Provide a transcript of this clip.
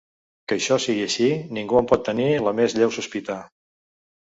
Que això sigui així, ningú no en pot tenir la més lleu sospita.